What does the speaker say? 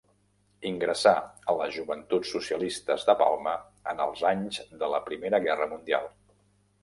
Ingressà a les Joventuts Socialistes de Palma en els anys de la Primera Guerra Mundial.